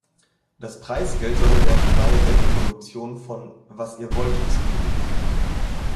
Das Preisgeld sollte der "my way-Produktion" von "Was ihr wollt" zugutekommen.